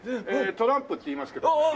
トランプっていいますけども。